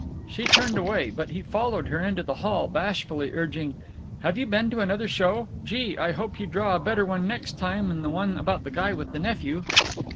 She turned away, but he followed her into the hall, bashfully urging: "Have you been to another show? Gee! I hope you draw a better one next time 'n the one about the guy with the nephew."